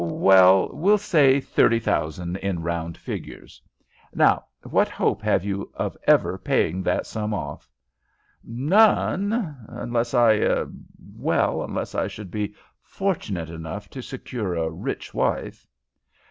"Well, we'll say thirty thousand in round figures. Now what hope have you of ever paying that sum off?" "None unless I er well, unless I should be fortunate enough to secure a rich wife."